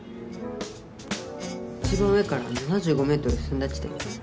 一番上から７５ｍ進んだ地点？